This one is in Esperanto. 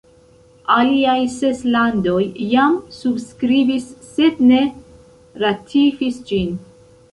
Aliaj ses landoj jam subskribis sed ne ratifis ĝin.